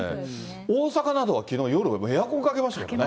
大阪などは、きょう夜はエアコンかけましたからね。